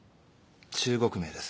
中国名です。